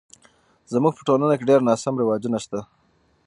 زموږ په ټولنه کې ډیر ناسم رواجونه شته